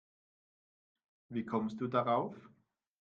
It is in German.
Wie kommst du darauf?